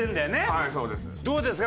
はいそうです。